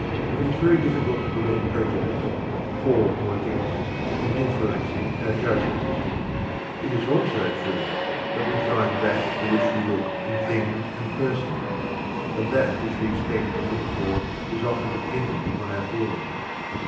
It is very difficult to prevent prejudice, for or against, from influencing our judgments. It is also true that we "find that for which we look" in things and persons, and that which we expect and look for is often dependent upon our feelings.